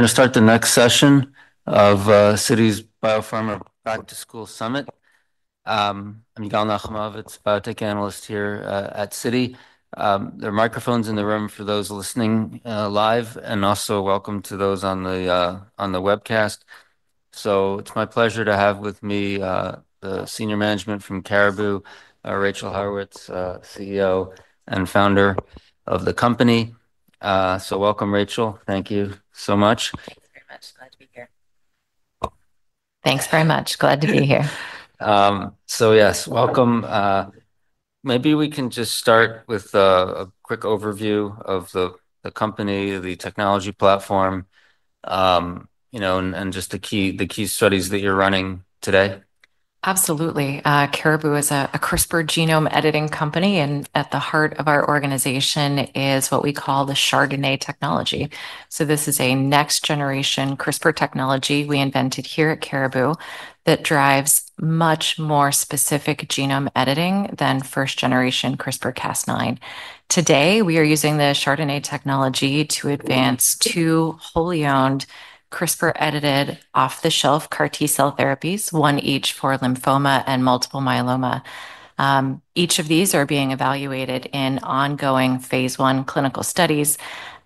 Gonna start the next session of Citi's biopharma back to school summit. I'm Gal Nachimovitz, biotech analyst here at Citi. There are microphones in the room for those listening live, and also welcome to those on the on the webcast. So it's my pleasure to have with me senior management from Cariboo, Rachel Horowitz, CEO and founder of the company. So welcome, Rachel. Thank you so much. Thanks very much. Glad to be here. Thanks very much. Glad to be here. So, yes, welcome. Maybe we can just start with a a quick overview of the the company, the technology platform, you know, and and just the key the key studies that you're running today. Absolutely. Cariboo is a a CRISPR genome editing company, and at the heart of our organization is what we call the Chardonnay technology. So this is a next generation CRISPR technology we invented here at Cariboo that drives much more specific genome editing than first generation CRISPR Cas nine. Today, we are using the Chardonnay technology to advance two wholly owned CRISPR edited off the shelf CAR T cell therapies, one each for lymphoma and multiple myeloma. Each of these are being evaluated in ongoing phase one clinical studies,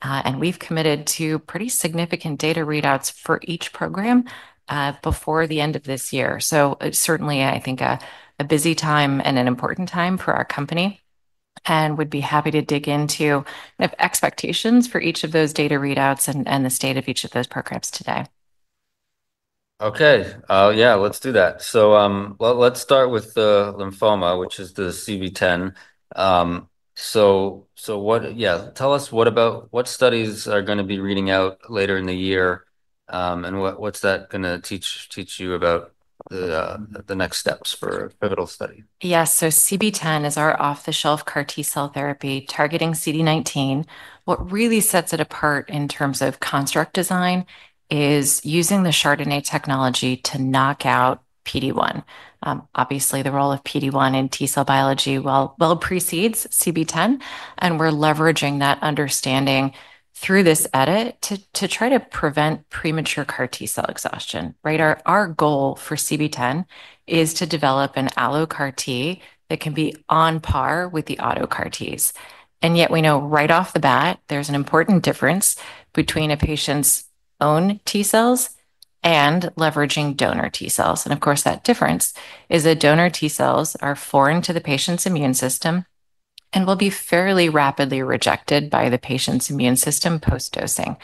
and we've committed to pretty significant data readouts for each program, before the end of this year. So it's certainly, I think, a a busy time and an important time for our company, and we'd be happy to dig into expectations for each of those data readouts and and the state of each of those programs today. Okay. Yeah. Let's do that. So let let's start with lymphoma, which is the c v ten. So so what yeah. Tell us what about what studies are gonna be reading out later in the year, and what what's that gonna teach teach you about the next steps for a pivotal study? Yes. So c b 10 is our off the shelf CAR T cell therapy targeting c d 19. What really sets it apart in terms of construct design is using the Chardonnay technology to knock out PD one. Obviously, the role of PD one in T cell biology well well precedes CB 10, and we're leveraging that understanding through this edit to to try to prevent premature CAR T cell exhaustion. Right? Our our goal for CB10 is to develop an alloCAR T that can be on par with the auto CAR Ts. And yet we know right off the bat, there's an important difference between a patient's own T cells and leveraging donor T cells. And, of course, that difference is that donor T cells are foreign to the patient's immune system and will be fairly rapidly rejected by the patient's immune system post dosing.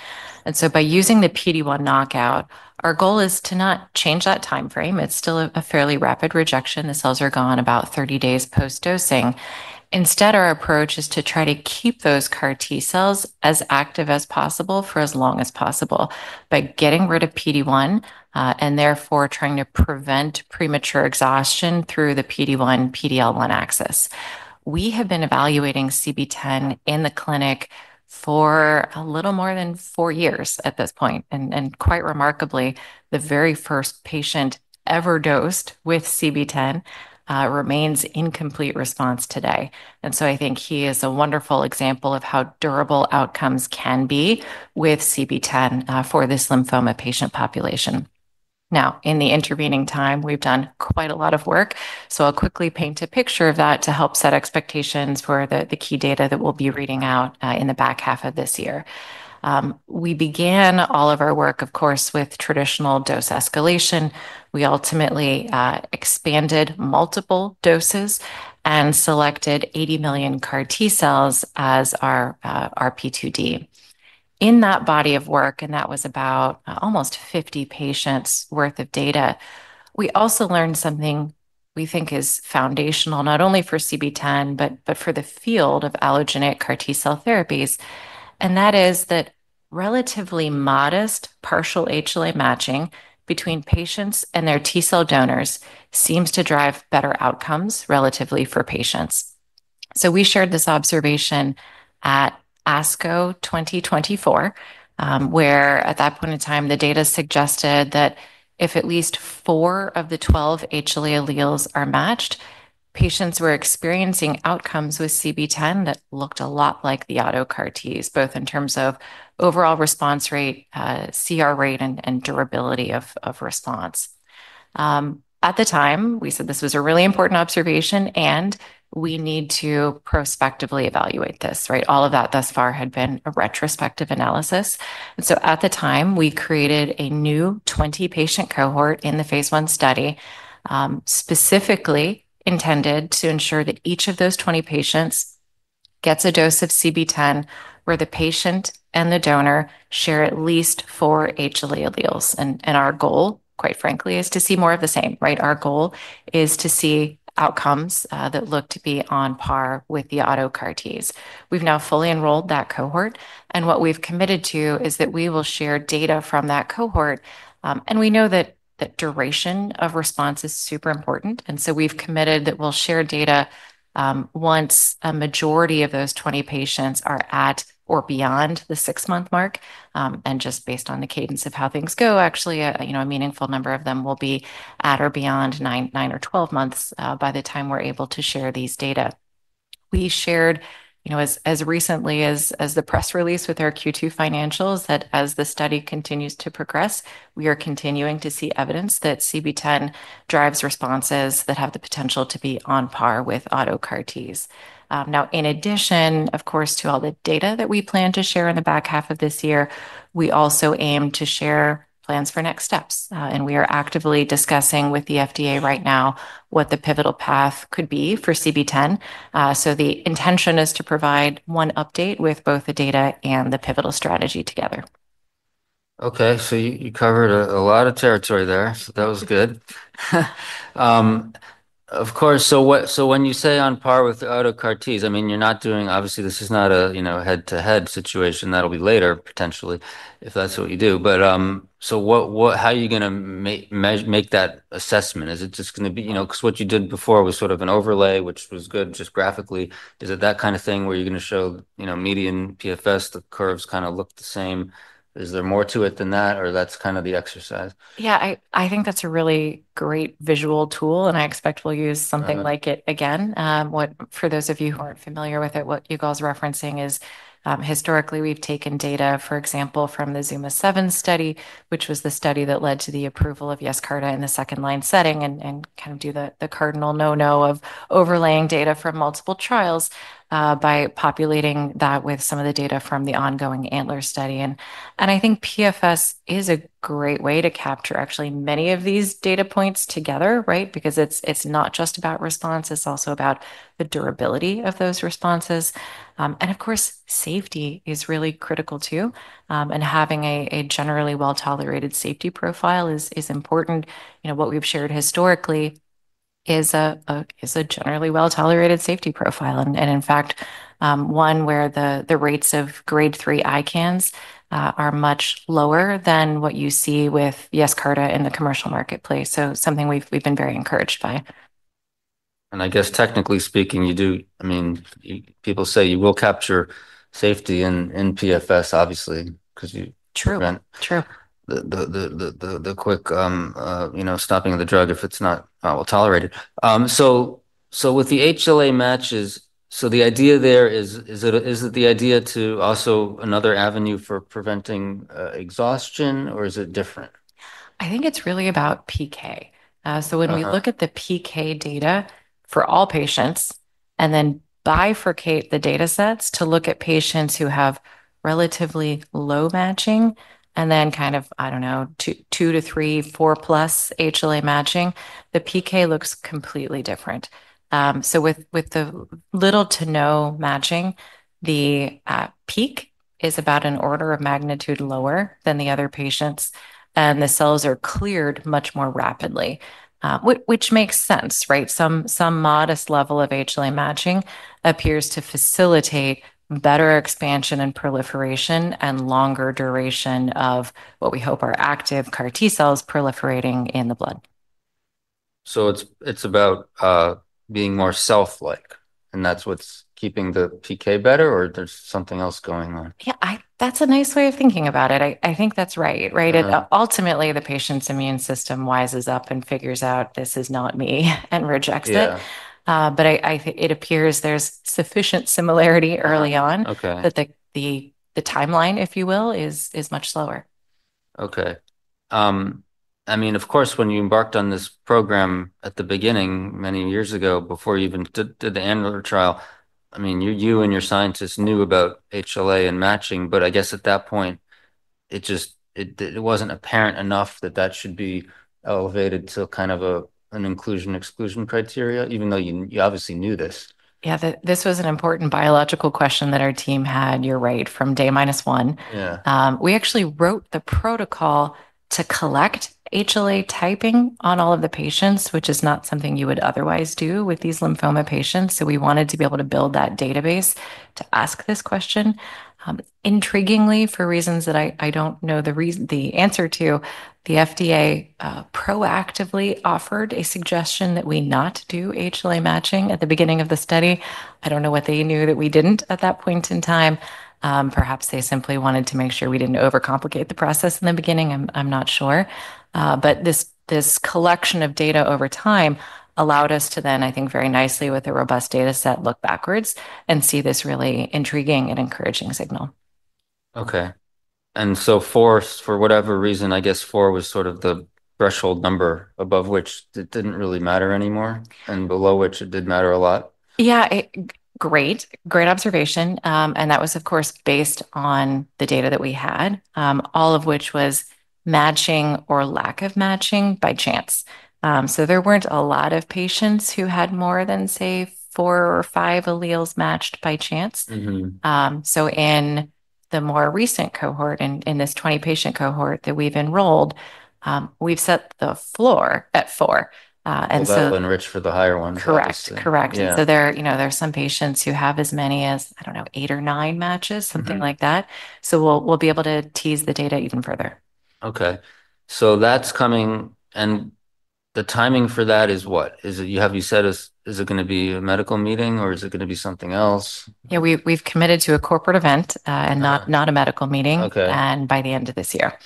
And so by using the p d one knockout, our goal is to not change that time frame. It's still a fairly rapid rejection. The cells are gone about 30 post dosing. Instead, our approach is to try to keep those CAR T cells as active as possible for as long as possible by getting rid of PD one, and therefore trying to prevent premature exhaustion through the PD one, PD L one axis. We have been evaluating CB ten in the clinic for a little more than four years at this point. And and quite remarkably, the very first patient ever dosed with c b ten, remains in complete response today. And so I think he is a wonderful example of how durable outcomes can be with CB10, for this lymphoma patient population. Now in the intervening time, we've done quite a lot of work, so I'll quickly paint a picture of that to help set expectations for the the key data that we'll be reading out, in the back half of this year. We began all of our work, of course, with traditional dose escalation. We ultimately expanded multiple doses and selected 80,000,000 CAR T cells as our r p two d. In that body of work, and that was about almost 50 patients worth of data, we also learned something we think is foundational, not only for CB ten, but but for the field of allogeneic CAR T cell therapies. And that is that relatively modest partial HLA matching between patients and their T cell donors seems to drive better outcomes relatively for patients. So we shared this observation at ASCO twenty twenty four, where at that point in time, the data suggested that if at least four of the 12 HLA alleles are matched, patients were experiencing outcomes with CB ten that looked a lot like the auto CAR Ts, both in terms of overall response rate, CR rate, and durability of of response. At the time, we said this was a really important observation, and we need to prospectively evaluate this. Right? All of that thus far had been a retrospective analysis. And so at the time, we created a new 20 patient cohort in the phase one study, specifically intended to ensure that each of those 20 patients gets a dose of CB ten where the patient and the donor share at least four HLA alleles. And and our goal, quite frankly, is to see more of the same. Right? Our goal is to see outcomes that look to be on par with the auto CAR Ts. We've now fully enrolled that cohort. And what we've committed to is that we will share data from that cohort. And we know that that duration of response is super important. And so we've committed that we'll share data, once a majority of those 20 patients are at or beyond the six month mark. And just based on the cadence of how things go, actually, you know, a meaningful number of them will be at or beyond nine nine or twelve months, by the time we're able to share these data. We shared, you know, as as recently as as the press release with our q two financials that as the study continues to progress, we are continuing to see evidence that CB10 drives responses that have the potential to be on par with auto CAR Ts. Now in addition, of course, to all the data that we plan to share in the back half of this year, we also aim to share plans for next steps. And we are actively discussing with the FDA right now what the pivotal path could be for c b 10. So the intention is to provide one update with both the data and the pivotal strategy together. Okay. So you you covered a a lot of territory there, so that was good. Of course. So what so when you say on par with the AutoCAR T's, I mean, you're not doing obviously, this is not a, you know, head to head situation. That'll be later potentially if that's what you do. But, so what what how are you gonna make make that assessment? Is it just gonna be know, because what you did before was sort of an overlay, which was good just graphically. Is it that kind of thing where you're gonna show, you know, median PFS, the curves kinda look the same? Is there more to it than that, or that's kind of the exercise? Yeah. I I think that's a really great visual tool, and I expect we'll use something like it again. What for those of you who aren't familiar with it, what you guys referencing is, historically, we've taken data, for example, from the Zuma seven study, which was the study that led to the approval of Yescarta in the second line setting and and kind of do the the cardinal no no of overlaying data from multiple trials by populating that with some of the data from the ongoing antler study. And and I think PFS is a great way to capture actually many of these data points together, right, because it's it's not just about response. It's also about the durability of those responses. And, of course, safety is really critical too, and having a a generally well tolerated safety profile is is important. You know, what we've shared historically is a is a generally well tolerated safety profile. And and, in fact, one where the the rates of grade three ICANS are much lower than what you see with Yescarta in the commercial marketplace. So something we've we've been very encouraged by. And I guess, technically speaking, you do I mean, people say you will capture safety in in PFS, obviously, because you True. The True. The the the the the quick, you know, stopping the drug if it's not tolerated. So so with the HLA matches, so the idea there is is it is it the idea to also another avenue for preventing exhaustion, or is it different? I think it's really about PK. So when we look at the PK data for all patients and then bifurcate the datasets to look at patients who have relatively low matching and then kind of, I don't know, two two to three, four plus HLA matching, the PK looks completely different. So with with the little to no matching, the peak is about an order of magnitude lower than the other patients, and the cells are cleared much more rapidly, which makes sense. Right? Some some modest level of HLA matching appears to facilitate better expansion and proliferation and longer duration of what we hope are active CAR T cells proliferating in the blood. So it's it's about being more self like, and that's what's keeping the PK better, or there's something else going on? Yeah. I that's a nice way of thinking about it. I I think that's right. Right? It ultimately, the patient's immune system wises up and figures out this is not me and rejects it. But I I it appears there's sufficient similarity early on Okay. That the the the timeline, if you will, is is much slower. Okay. I mean, of course, when you embarked on this program at the beginning many years ago before you even did did the end of the trial, I mean, you you and your scientists knew about HLA and matching. But I guess at that point, it just it it wasn't apparent enough that that should be elevated to kind of a an inclusion exclusion criteria even though you you obviously knew this. Yeah. This was an important biological question that our team had, you're right, from day minus one. Yeah. We actually wrote the protocol to collect HLA typing on all of the patients, which is not something you would otherwise do with these lymphoma patients. So we wanted to be able to build that database to ask this question. Intriguingly, for reasons that I I don't know the reason the answer to, the FDA, proactively offered a suggestion that we not do HLA matching at the beginning of the study. I don't know what they knew that we didn't at that point in time. Perhaps they simply wanted to make sure we didn't overcomplicate the process in the beginning. I'm I'm not sure. But this this collection of data over time allowed us to then, I think, very nicely with a robust dataset look backwards and see this really intriguing and encouraging signal. Okay. And so four, for whatever reason, I guess, was sort of the threshold number above which it didn't really matter anymore and below which it did matter a lot? Yeah. Great. Great observation. And that was, of course, based on the data that we had, all of which was matching or lack of matching by chance. So there weren't a lot of patients who had more than, say, four or five alleles matched by chance. Mhmm. So in the more recent cohort, in in this 20 patient cohort that we've enrolled, we've set the floor at four. Enrich And so for the higher one. Correct. Correct. And so there, you know, there are some patients who have as many as, I don't know, eight or nine matches, something like that. So we'll we'll be able to tease the data even further. Okay. So that's coming and the timing for that is what? Is it you have you said is is it gonna be a medical meeting, or is it gonna be something else? Yeah. We we've committed to a corporate event, and not not a medical meeting Okay. And by the end of this year.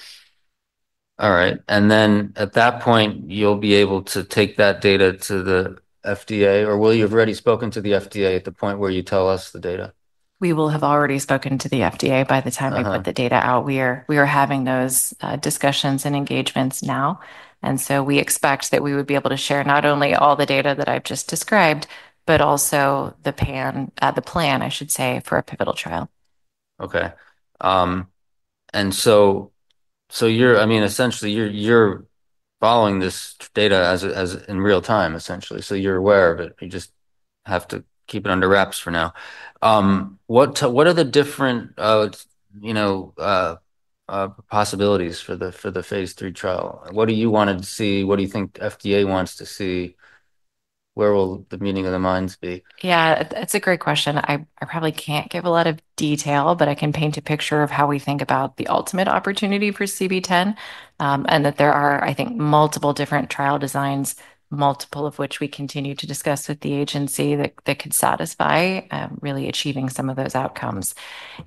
Alright. And then at that point, you'll be able to take that data to the FDA, or will you have already spoken to the FDA at the point where you tell us the data? We will have already spoken to the FDA by the time we put the data out. We are we are having those discussions and engagements now. And so we expect that we would be able to share not only all the data that I've just described, but also the pan the plan, I should say, for a pivotal trial. Okay. And so so you're I mean, essentially, you're you're following this data as as in real time, essentially. So you're aware of it. You just have to keep it under wraps for now. What what are the different, you know, possibilities for the for the phase three trial? What do you wanted to see? What do you think FDA wants to see? Where will the meaning of the minds be? Yeah. It's a great question. I I probably can't give a lot of detail, but I can paint a picture of how we think about the ultimate opportunity for c b ten, and that there are, I think, multiple different trial designs, multiple of which we continue to discuss with the agency that that could satisfy, really achieving some of those outcomes.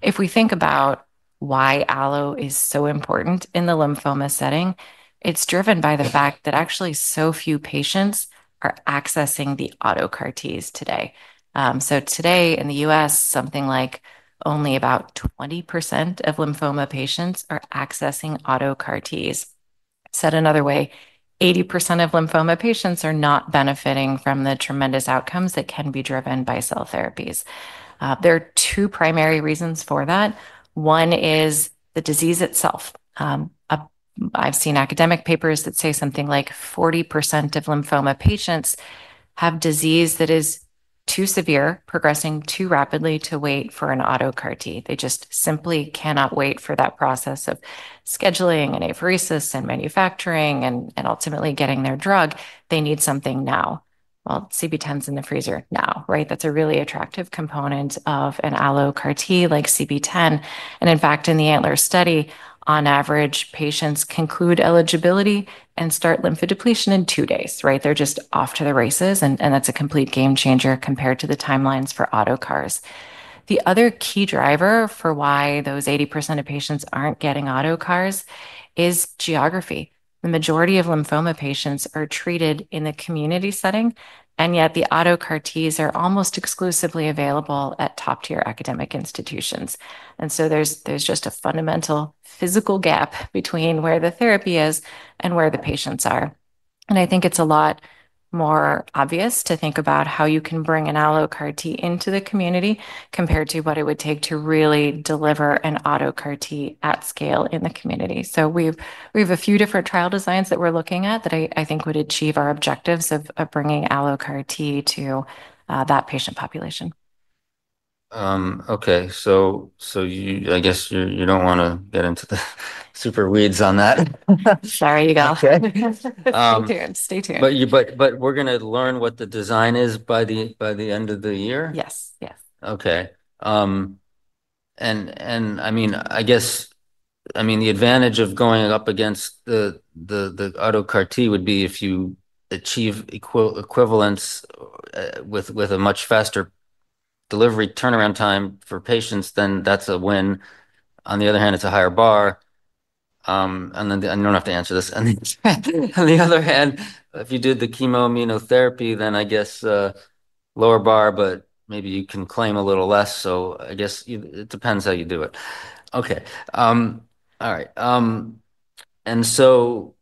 If we think about why allo is so important in the lymphoma setting, it's driven by the fact that actually so few patients are accessing the autocar Ts today. So today, in The US, something like only about twenty percent of lymphoma patients are accessing auto CAR T's. Said another way, eighty percent of lymphoma patients are not benefiting from the tremendous outcomes that can be driven by cell therapies. There are two primary reasons for that. One is the disease itself. I've seen academic papers that say something like forty percent of lymphoma patients have disease that is too severe, progressing too rapidly to wait for an auto CAR T. They just simply cannot wait for that process of scheduling an apheresis and manufacturing and and ultimately getting their drug. They need something now. Well, c b ten's in the freezer now. Right? That's a really attractive component of an allo CAR T like c b ten. And in fact, in the antler study, on average, patients conclude eligibility and start lymphodepletion in two days. Right? They're just off to the races, and and that's a complete game changer compared to the timelines for auto CARs. The other key driver for why those eighty percent of patients aren't getting auto CARs is geography. The majority of lymphoma patients are treated in the community setting, and yet the auto CAR Ts are almost exclusively available at top tier academic institutions. And so there's there's just a fundamental physical gap between where the therapy is and where the patients are. And I think it's a lot more obvious to think about how you can bring an AlloCAR T into the community compared to what it would take to really deliver an AutoCAR T at scale in the community. So we we've a few different trial designs that we're looking at that I I think would achieve our objectives of of bringing AlloCAR T to, that patient population. Okay. So so you I guess you you don't wanna get into the super weeds on that. Sorry. You go. Okay. Stay tuned. But you but but we're gonna learn what the design is by the by the end of the year? Yes. Yes. Okay. And and, I mean, I guess I mean, the advantage of going up against the the the AutoCAR T would be if you achieve equal equivalents with with a much faster delivery turnaround time for patients, then that's a win. On the other hand, it's a higher bar. And then the I don't have to answer this. On the on the other hand, if you did the chemo immunotherapy, then I guess lower bar, but maybe you can claim a little less. So I guess it depends how you do it. Okay. Alright. And so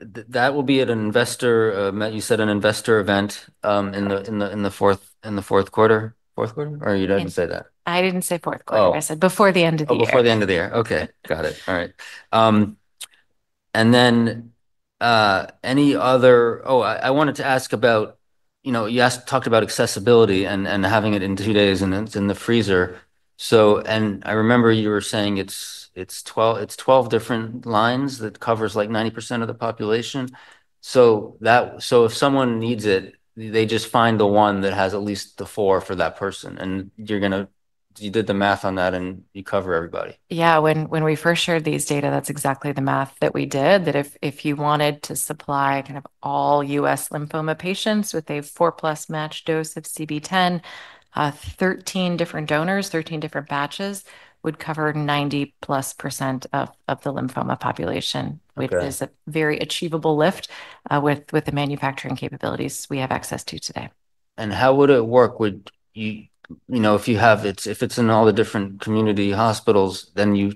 that will be at an investor you said an investor event in the in the in the fourth in the fourth quarter fourth quarter, or you didn't say that? I didn't say fourth quarter. I said before the end of the year. Before the end of the year. Okay. Got it. Alright. And then any other oh, I I wanted to ask about you know, you asked talked about accessibility and and having it in two days, and then it's in the freezer. So and I remember you were saying it's it's 12 it's 12 different lines that covers, like, 90% of the population. So that so if someone needs it, they just find the one that has at least the four for that person. And you're gonna you did the math on that, and you cover everybody. Yeah. When when we first shared these data, that's exactly the math that we did, that if if you wanted to supply kind of all US lymphoma patients with a four plus match dose of c b ten, thirteen different donors, 13 different batches would cover ninety plus percent of of the lymphoma population, which is a very achievable lift with with the manufacturing capabilities we have access to today. And how would it work? Would you you know, if you have it if it's in all the different community hospitals, then you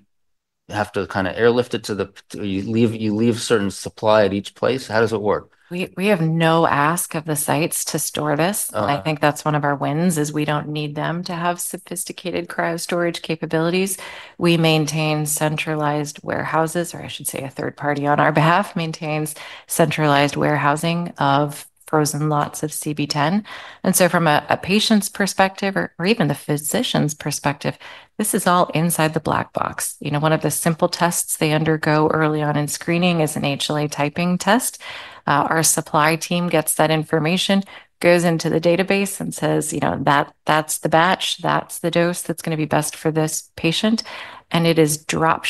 have to kinda airlift it to the you leave you leave certain supply at each place. How does it work? We we have no ask of the sites to store this. I think that's one of our wins is we don't need them to have sophisticated cryostorage capabilities. We maintain centralized warehouses, or I should say a third party on our behalf maintains centralized warehousing of frozen lots of c b ten. And so from a a patient's perspective or or even the physician's perspective, this is all inside the black box. You know, one of the simple tests they undergo early on in screening is an HLA typing test. Our supply team gets that information, goes into the database, and says, you know, that that's the batch. That's the dose that's gonna be best for this patient, and it is drop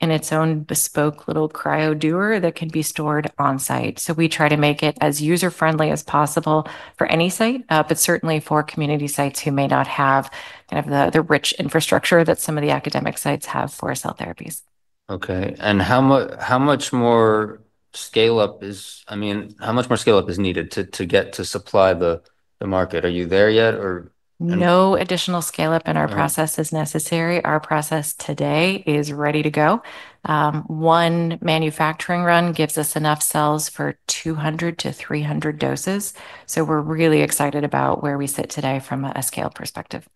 shipped in its own bespoke little CryoDoer that can be stored on-site. So we try to make it as user friendly as possible for any site, but certainly for community sites who may not have kind of the the rich infrastructure that some of the academic sites have for cell therapies. Okay. And how how much more scale up is I mean, how much more scale up is needed to to get to supply the the market? Are you there yet? Or No additional scale up in our process is necessary. Our process today is ready to go. One manufacturing run gives us enough cells for 200 to 300 doses. So we're really excited about where we sit today from a scale perspective.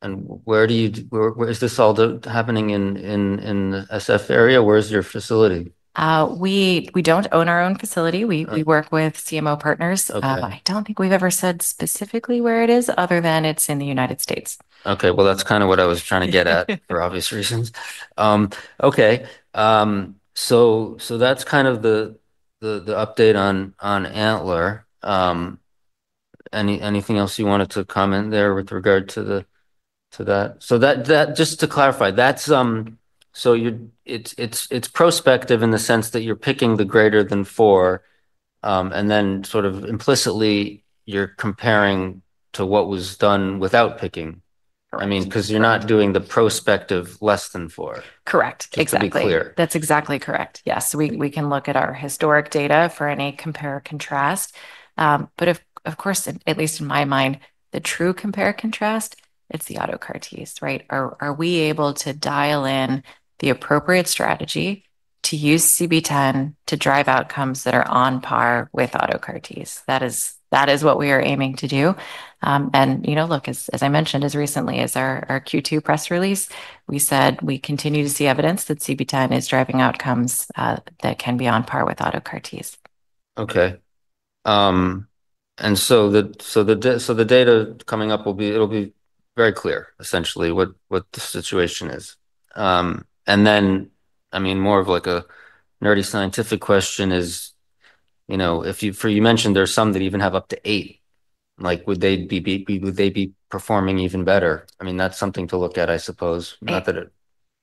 And where do you where where is this all happening in in in SF area? Where is your facility? We we don't own our own facility. We we work with CMO partners. Okay. I don't think we've ever said specifically where it is other than it's in The United States. Okay. Well, that's kinda what I was trying to get at for obvious reasons. Okay. So so that's kind of the the the update on on Antler. Any anything else you wanted to comment there with regard to the to that? So that that just to clarify, that's so you'd it's it's it's prospective in the sense that you're picking the greater than four, and then sort of implicitly, you're comparing to what was done without picking. I mean, because you're not doing the prospective less than four. Correct. Exactly. That's exactly correct. Yes. We we can look at our historic data for any compare contrast. But of of course, at at least in my mind, the true compare contrast, it's the AutoCAR T's. Right? Are are we able to dial in the appropriate strategy to use c b 10 to drive outcomes that are on par with auto CAR Ts? That is that is what we are aiming to do. And, you know, look. As as I mentioned, as recently as our our q two press release, we said we continue to see evidence that c b 10 is driving outcomes that can be on par with auto CAR Ts. Okay. And so the so the so the data coming up will be it'll be very clear, essentially, what what the situation is. And then, I mean, more of, like, a nerdy scientific question is, you know, if you for you mentioned there's some that even have up to eight. Like, would they be be be would they be performing even better? I mean, that's something to look at, I suppose, method.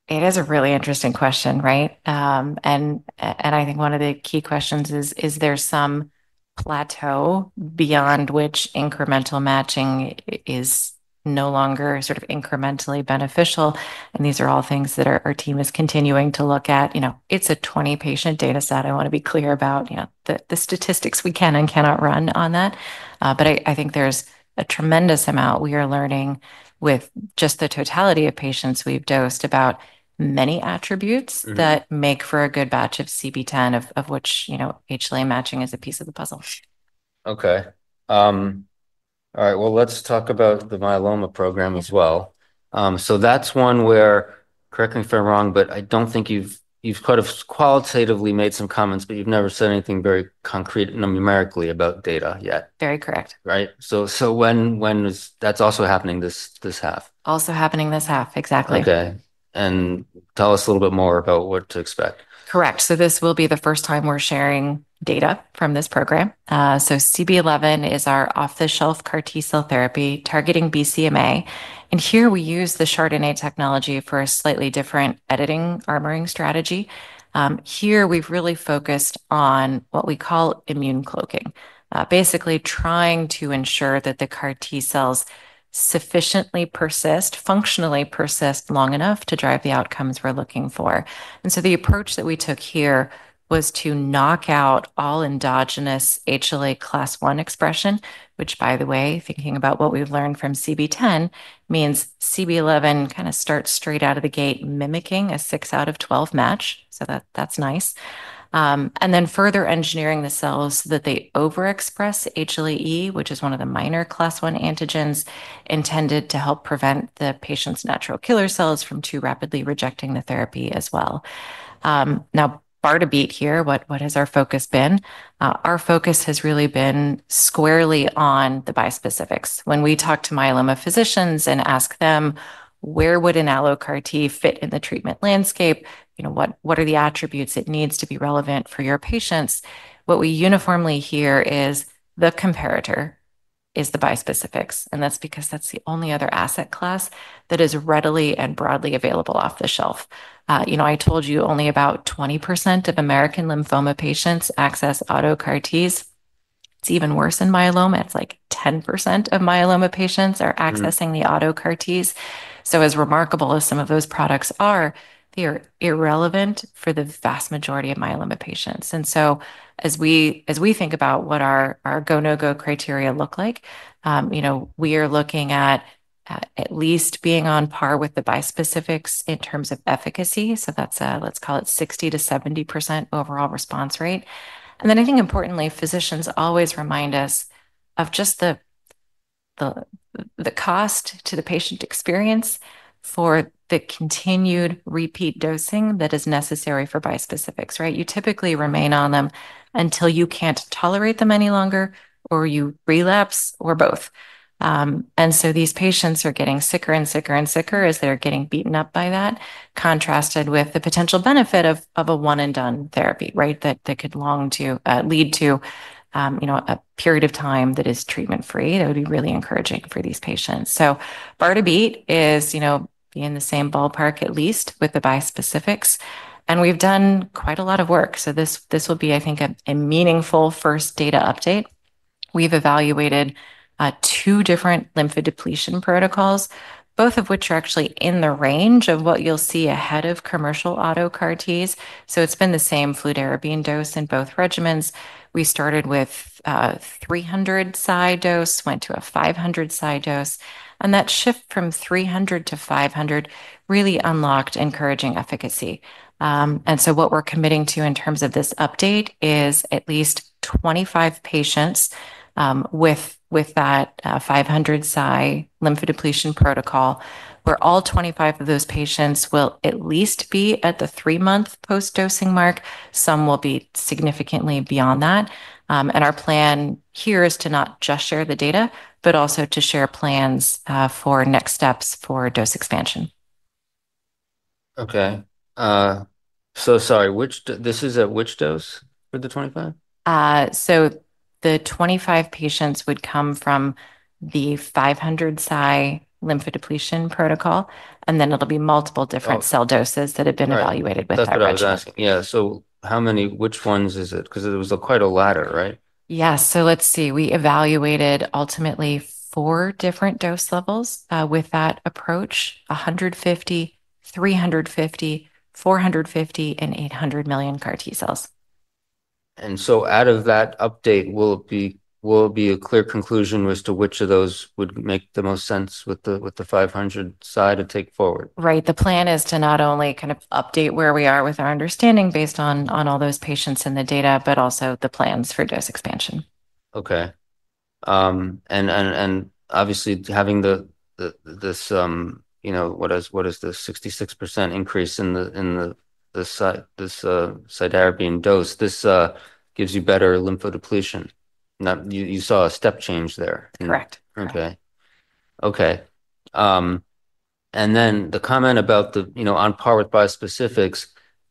It is a really interesting question. Right? And and I think one of the key questions is is there some plateau beyond which incremental matching is no longer sort of incrementally beneficial? These are all things that our team is continuing to look at. You know, it's a 20 patient dataset. I wanna be clear about, you know, the the statistics we can and cannot run on that. But I I think there's a tremendous amount we are learning with just the totality of patients we've dosed about many attributes that make for a good batch of c b ten of of which, you know, HLA matching is a piece of the puzzle. Okay. Alright. Well, let's talk about the myeloma program as well. So that's one where, correct me if I'm wrong, but I don't think you've you've quite qualitatively made some comments, but you've never said anything very concrete numerically about data yet. Very correct. Right? So so when when is that's also happening this this half. Also happening this half. Exactly. Okay. Tell us a little bit more about what to expect. Correct. So this will be the first time we're sharing data from this program. So c b eleven is our off the shelf CAR T cell therapy targeting BCMA. And here, we use the Chardonnay technology for a slightly different editing armoring strategy. Here, we've really focused on what we call immune cloaking, Basically, trying to ensure that the CAR T cells sufficiently persist, functionally persist long enough to drive the outcomes we're looking for. And so the approach that we took here was to knock out all endogenous HLA class one expression, which, by the way, thinking about what we've learned from CB 10, means CB 11 kinda starts straight out of the gate mimicking a six out of 12 match. So that that's nice. And then further engineering the cells that they overexpress HLAE, which is one of the minor class one antigens intended to help prevent the patient's natural killer cells from too rapidly rejecting the therapy as well. Now bar to beat here, what what has our focus been? Our focus has really been squarely on the bispecifics. When we talk to myeloma physicians and ask them where would an AlloCAR T fit in the treatment landscape, you know, what what are the attributes it needs to be relevant for your patients, what we uniformly hear is the comparator is the bispecifics, and that's because that's the only other asset class that is readily and broadly available off the shelf. You know, I told you only about twenty percent of American lymphoma patients access auto CAR Ts. It's even worse than myeloma. It's like ten percent of myeloma patients are accessing the auto CAR Ts. So as remarkable as some of those products are, they're irrelevant for the vast majority of myeloma patients. And so as we as we think about what our our go no go criteria look like, you know, we are looking at at least being on par with the bispecifics in terms of efficacy. So that's, let's call it, sixty to seventy percent overall response rate. And then I think importantly, physicians always remind us of just the the the cost to the patient experience for the continued repeat dosing that is necessary for bispecifics. Right? You typically remain on them until you can't tolerate them any longer or you relapse or both. And so these patients are getting sicker and sicker and sicker as they're getting beaten up by that contrasted with the potential benefit of of a one and done therapy, right, that that could long to lead to, you know, a period of time that is treatment free. That would be really encouraging for these patients. So bartabeat is, you know, in the same ballpark at least with the bispecifics, and we've done quite a lot of work. So this this will be, I think, a a meaningful first data update. We've evaluated, two different lymphodepletion protocols, both of which are actually in the range of what you'll see ahead of commercial auto CAR Ts. So it's been the same fludarabine dose in both regimens. We started with, three hundred side dose, went to a five hundred psi dose. And that shift from three hundred to 500 really unlocked encouraging efficacy. And so what we're committing to in terms of this update is at least 25 patients, with with that five hundred psi lymphodepletion protocol, where all twenty five of those patients will at least be at the three month post dosing mark. Some will be significantly beyond that. And our plan here is to not just share the data, but also to share plans, for next steps for dose expansion. Okay. So sorry. Which this is at which dose for the twenty five? So the twenty five patients would come from the five hundred psi lymphodepletion protocol, and then it'll be multiple different cell doses that have been evaluated with thyroid. Asking. Yeah. So how many which ones is it? Because it was quite a latter. Right? Yes. So let's see. We evaluated ultimately four different dose levels, with that approach, a 150, 350, 450, and 800,000,000 CAR T cells. And so out of that update, will it be will it be a clear conclusion as to which of those would make the most sense with the with the 500 side to take forward? Right. The plan is to not only kind of update where we are with our understanding based on on all those patients and the data, but also the plans for dose expansion. Okay. And and and, obviously, having the the this, you know, what is what is the sixty six percent increase in the in the this siderapine dose. This gives you better lymphodepletion. Now you you saw a step change there. Correct. Okay. Okay. And then the comment about the, you know, on par with bispecifics,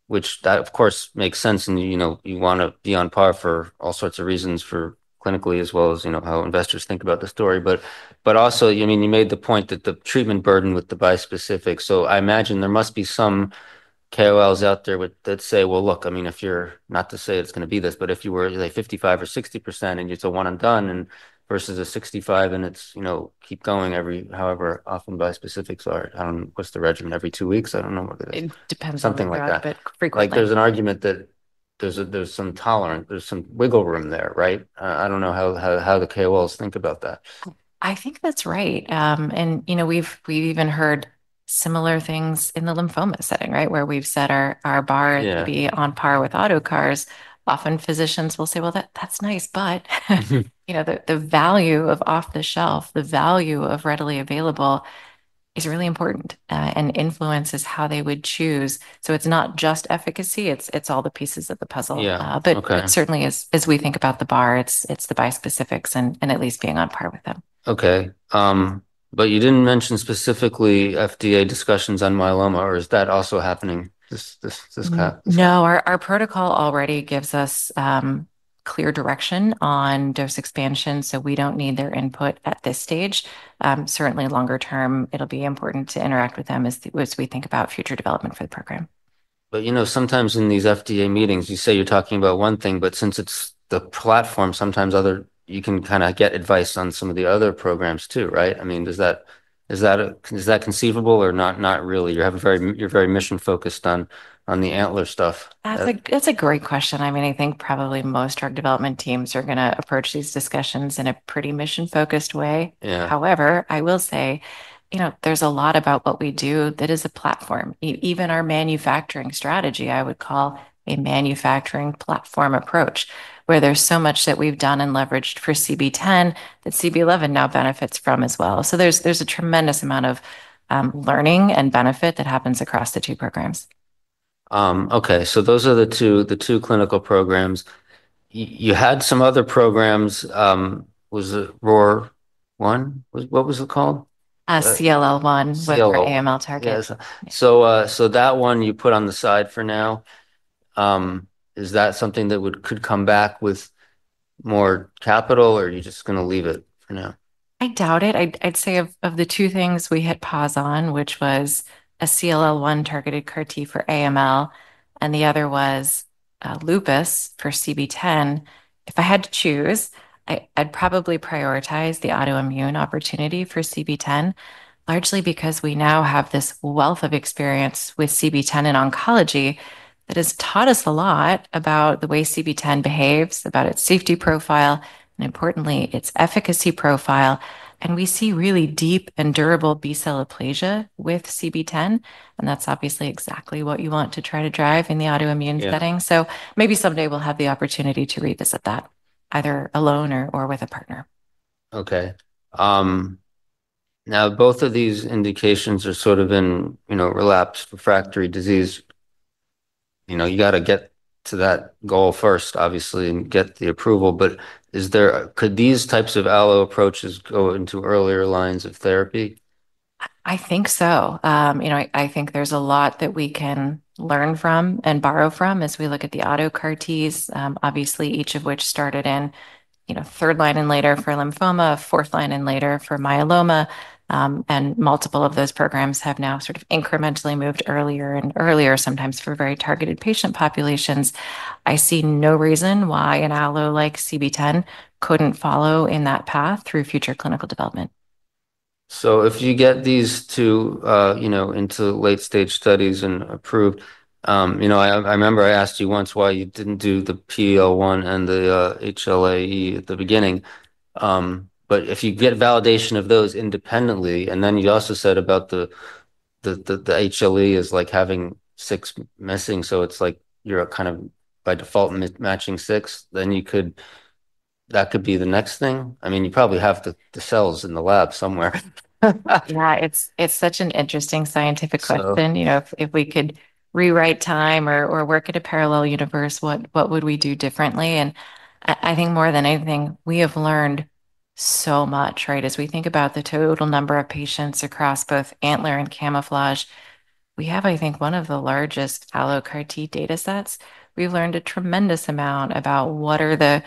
which that, of course, makes sense and, know, you wanna be on par for all sorts of reasons for clinically as well as, you know, how investors think about the story. But but also, you mean, you made the point that the treatment burden with the bispecifics. So I imagine there must be some KOLs out there with let's say, well, look. I mean, if you're not to say it's gonna be this, but if you were, like, 55 or 60% and you're still one and done and versus a 65 and it's, you know, keep going every however often bispecifics are. I don't know what's the regimen. Every two weeks? I don't know what it is. It depends on like that. But frequently an argument that there's there's some tolerance. There's some wiggle room there. Right? Don't know how how how the KOLs think about that. I think that's right. And, you know, we've we've even heard similar things in the lymphoma setting, right, where we've set our our bar to be on par with auto cars. Often physicians will say, well, that that's nice. But Mhmm. You know, the the value of off the shelf, the value of readily available is really important, and influences how they would choose. So it's not just efficacy. It's it's all the pieces of the puzzle. Yeah. But Okay. But certainly, as as we think about the bar, it's it's the bispecifics and and at least being on par with them. Okay. But you didn't mention specifically FDA discussions on myeloma, or is that also happening this this this cap? No. Our our protocol already gives us, clear direction on dose expansion, so we don't need their input at this stage. Certainly, term, it'll be important to interact with them as as we think about future development for the program. But, you know, sometimes in these FDA meetings, you say you're talking about one thing. But since it's the platform, sometimes other, you can kinda get advice on some of the other programs too. Right? I mean, does that is that a is that conceivable or not not really? You have a very you're very mission focused on on the Antler stuff. That's a that's a great question. I mean, I think probably most drug development teams are gonna approach these discussions in a pretty mission focused way. Yeah. However, I will say, you know, there's a lot about what we do that is a platform. Even our manufacturing strategy, I would call a manufacturing platform approach, where there's so much that we've done and leveraged for CB ten that c b eleven now benefits from as well. So there's there's a tremendous amount of learning and benefit that happens across the two programs. Okay. So those are the two the two clinical programs. You had some other programs. Was it ROAR one? What what was it called? CLL one with your AML target. So so that one you put on the side for now. Is that something that would could come back with more capital, or you're just gonna leave it for now? I doubt it. I'd I'd say of of the two things we hit pause on, which was a CLL one targeted CAR T for AML and the other was, lupus for c b ten. If I had to choose, I I'd probably prioritize the autoimmune opportunity for c b ten largely because we now have this wealth of experience with c b ten in oncology that has taught us a lot about the way c b ten behaves, about its safety profile, and importantly, its efficacy profile. And we see really deep and durable B cell aplasia with c b ten, and that's obviously exactly what you want to try to drive in the autoimmune setting. So maybe someday we'll have the opportunity to revisit that either alone or or with a partner. Okay. Now both of these indications are sort of in, you know, relapsed refractory disease. You know, you gotta get to that goal first, obviously, and get the approval. But is there could these types of allo approaches go into earlier lines of therapy? I think so. You know, I I think there's a lot that we can learn from and borrow from as we look at the auto CAR Ts, obviously, each of which started in, you know, third line and later for lymphoma, fourth line and later for myeloma, and multiple of those programs have now sort of incrementally moved earlier and earlier sometimes for very targeted patient populations. I see no reason why an allo like CB ten couldn't follow in that path through future clinical development. So if you get these two, you know, into late stage studies and approved, you know, I I remember I asked you once why you didn't do the p l one and the HLAE at the beginning. But if you get validation of those independently and then you also said about the the the the HLE is, like, having six missing, so it's like you're kind of, by default, matching six, then you could that could be the next thing. I mean, you probably have the the cells in the lab somewhere. Yeah. It's it's such an interesting scientific question. You know, if if we could rewrite time or or work at a parallel universe, what what would we do differently? And I I think more than anything, we have learned so much. Right? As we think about the total number of patients across both antler and camouflage, we have, I think, one of the largest AlloCAR T datasets. We've learned a tremendous amount about what are the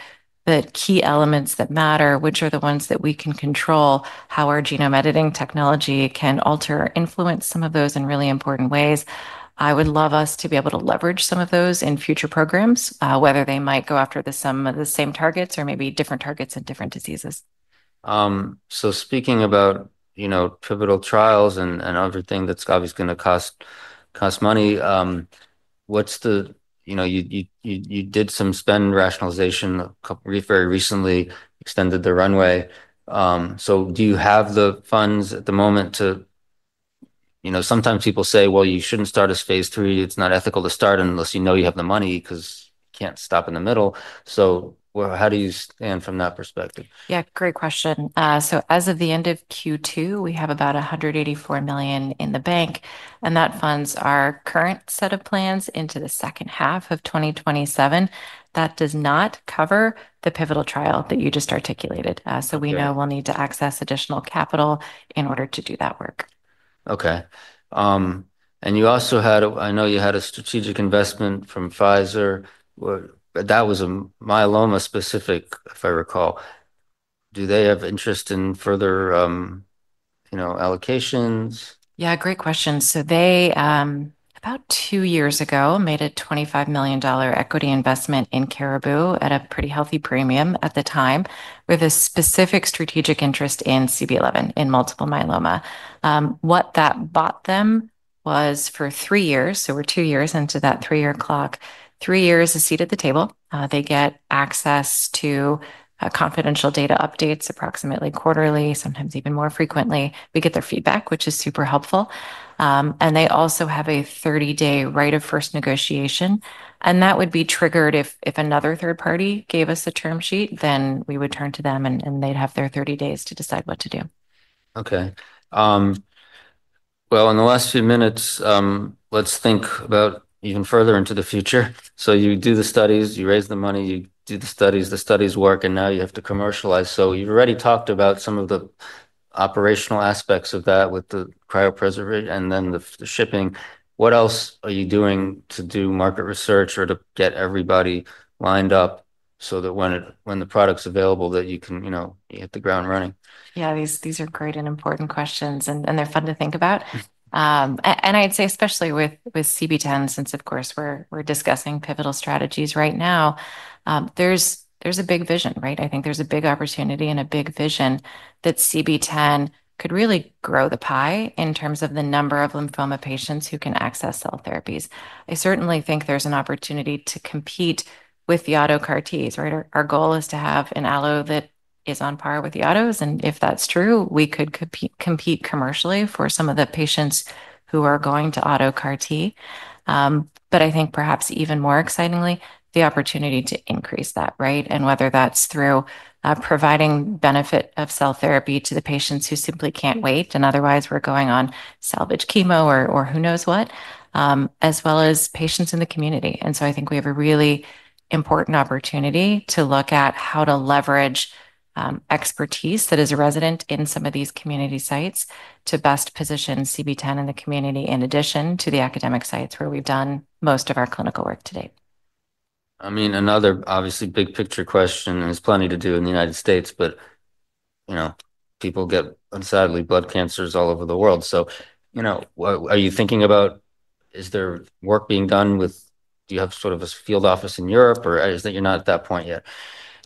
the key elements that matter, which are the ones that we can control, how our genome editing technology can alter or influence some of those in really important ways. I would love us to be able to leverage some of those in future programs, whether they might go after the some the same targets or maybe different targets in different diseases. So speaking about, you know, pivotal trials and and other things that's gonna cost cost money. What's the you know, you you you you did some spend rationalization, couple very recently extended the runway. So do you have the funds at the moment to, you know, sometimes people say, well, you shouldn't start as phase three. It's not ethical to start unless you know you have the money because you can't stop in the middle. So how do you stand from that perspective? Yeah. Great question. So as of the '2, we have about a 184,000,000 in the bank, and that funds our current set of plans into the 2027. That does not cover the pivotal trial that you just articulated. So we know we'll need to access additional capital in order to do that work. Okay. And you also had I know you had a strategic investment from Pfizer, but that was a myeloma specific, if I recall. Do they have interest in further, you know, allocations? Yeah. Great question. So they, about two years ago, made a $25,000,000 equity investment in Cariboo at a pretty healthy premium at the time with a specific strategic interest in c b eleven in multiple myeloma. What that bought them was for three years, so we're two years into that three year clock, three years is seated at the table. They get access to confidential data updates approximately quarterly, sometimes even more frequently. We get their feedback, which is super helpful. And they also have a thirty day right of first negotiation. And that would be triggered if if another third party gave us a term sheet, then we would turn to them, and and they'd have their thirty days to decide what to do. Okay. Well, in the last few minutes, let's think about even further into the future. So you do the studies. You raise the money. You do the studies, the studies work, and now you have to commercialize. So you've already talked about some of the operational aspects of that with the cryopreservate and then the the shipping. What else are you doing to do market research or to get everybody lined up that when it when the product's available that you can, you know, you hit the ground running? Yeah. These these are great and important questions, and and they're fun to think about. And I'd say especially with with c b ten since, of course, we're we're discussing pivotal strategies right now, there's there's a big vision. Right? I think there's a big opportunity and a big vision that c b ten could really grow the pie in terms of the number of lymphoma patients who can access cell therapies. I certainly think there's an opportunity to compete with the auto CAR Ts. Right? Our goal is to have an allo that is on par with the autos. And if that's true, we could compete compete commercially for some of the patients who are going to auto CAR T. But I think perhaps even more excitingly, the opportunity to increase that, right? And whether that's through providing benefit of cell therapy to the patients who simply can't wait, and otherwise we're going on salvage chemo or who knows what, as well as patients in the community. And so I think we have a really important opportunity to look at how to leverage expertise that is a resident in some of these community sites to best position c b 10 in the community in addition to the academic sites where we've done most of our clinical work today. I mean, another, obviously, big picture question, and there's plenty to do in The United States, but, you know, people get, sadly, blood cancers all over the world. So, you know, are you thinking about is there work being done with do you have sort of a field office in Europe, or I just think you're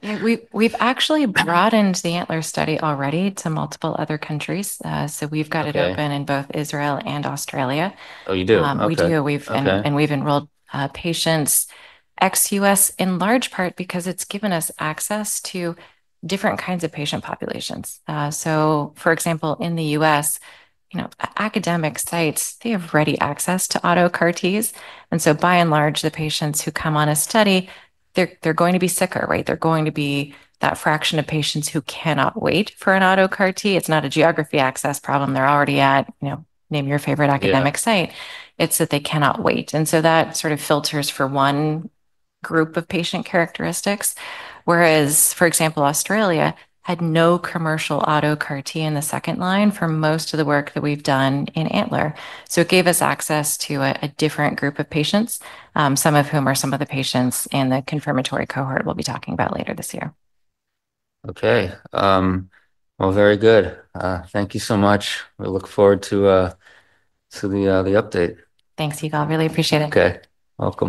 not at that point yet? We've we've actually broadened the antler study already to multiple other countries. So we've got it open in both Israel and Australia. Oh, you do? We do. We've and and we've enrolled, patients ex US in large part because it's given us access to different kinds of patient populations. So for example, in The US, you know, academic sites, they have ready access to auto CAR Ts. And so by and large, the patients who come on a study, they're they're going to be sicker. Right? They're going to be that fraction of patients who cannot wait for an AutoCAR T. It's not a geography access problem they're already at. You know, name your favorite academic It's that they cannot wait. And so that sort of filters for one group of patient characteristics. Whereas, for example, Australia had no commercial auto CAR T in the second line for most of the work that we've done in Antler. So it gave us access to a different group of patients, some of whom are some of the patients in the confirmatory cohort we'll be talking about later this year. Okay. Well, very good. Thank you so much. We look forward to, to the, the update. Thanks, Yigal. Really appreciate it. Okay. Welcome.